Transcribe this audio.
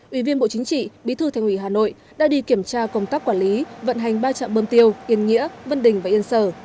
ủy viên bộ chính trị bí thư thành ủy hà nội đã đi kiểm tra công tác quản lý vận hành ba trạm bơm tiêu yên nghĩa vân đình và yên sở